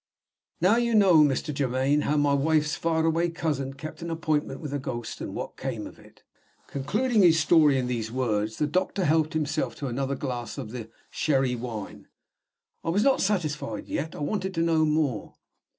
Now you know, Mr. Germaine, how my wife's far away cousin kept an appointment with a ghost, and what came of it."* Concluding his story in these words, the doctor helped himself to another glass of the "sherry wine." I was not satisfied yet; I wanted to know more.